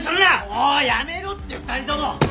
もうやめろって２人とも！